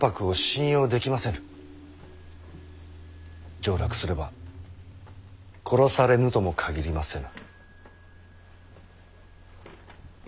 上洛すれば殺されぬとも限りませぬ。